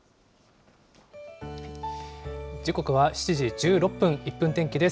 時刻は７時１６分、１分天気です。